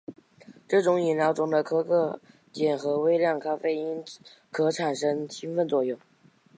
这种饮料中的可可碱和微量咖啡因可产生兴奋作用。